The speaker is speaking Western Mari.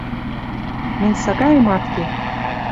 Мӹнь сагаэм ат ке...